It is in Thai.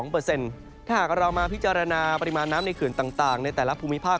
ถ้าหากเรามาพิจารณาปริมาณน้ำในเขื่อนต่างในแต่ละภูมิภาค